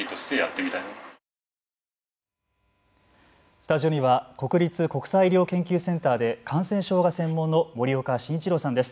スタジオには国立国際医療研究センターで感染症が専門の森岡慎一郎さんです。